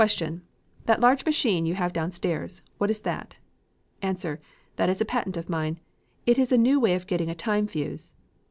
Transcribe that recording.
That large machine you have downstairs, what is that? A. That is a patent of mine. It is a new way of getting a time fuse.